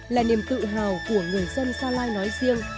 là niềm tự hào của người dân gia lai nói riêng